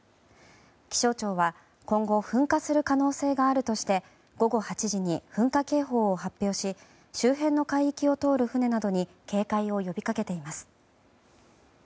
気象庁は、今後噴火する可能性があるとして午後８時に噴火警報を発表し周辺の海域を通る船などに警戒を呼びかけています。